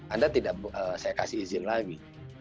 anda tidak saya kasih izin lagi